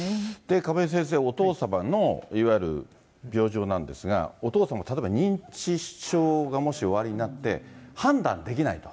亀井先生、お父様のいわゆる病状なんですが、お父様、例えば認知症がもしおありになって、判断できないと。